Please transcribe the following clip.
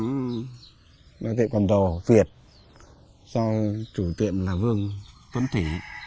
cái quán tiệm cầm đồ việt do chủ tiệm là vương tuấn thủy